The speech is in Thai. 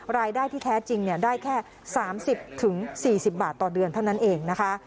รายได้ที่แท้จริงได้แค่๓๐๔๐บาทต่อเดือนเท่านั้นเองนะคะ